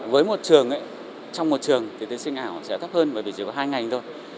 với một trường trong một trường thì thí sinh ảo sẽ thấp hơn bởi vì chỉ có hai ngành thôi